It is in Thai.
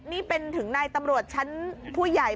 นี่เป็นถึงนายตำรวจชั้นผู้ใหญ่